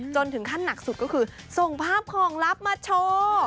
ถึงขั้นหนักสุดก็คือส่งภาพของลับมาโชว์